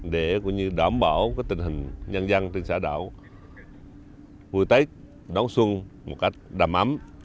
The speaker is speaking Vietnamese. để cũng như đảm bảo tình hình nhân dân trên xã đảo vui tết đón xuân một cách đầm ấm